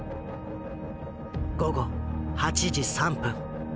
午後８時３分。